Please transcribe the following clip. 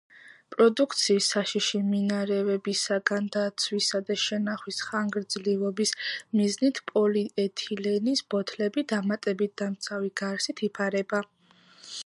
პროდუქციის საშიში მინარევებისაგან დაცვისა და შენახვის ხანგრძლივობის მიზნით პოლიეთილენის ბოთლები დამატებით დამცავი გარსით იფარება.